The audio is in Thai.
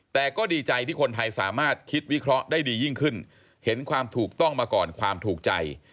แต่ก็ดีใจที่คนไทยสามารถคิดวิเคราะห์ได้ดียิ่งขึ้นเห็นความถูกต้องมาก่อนความถูกใจ